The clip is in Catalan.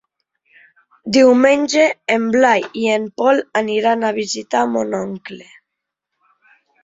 Diumenge en Blai i en Pol aniran a visitar mon oncle.